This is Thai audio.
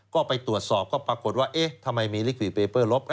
ก็ไปตรวจสอบก็ปรากฏว่าเอ๊ะทำไมมีลิขีดเปเปอร์ลบ